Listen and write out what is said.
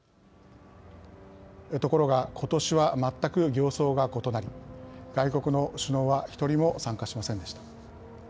ところが、ことしは全く形相が異なり外国の首脳は１人も参加しませんでした。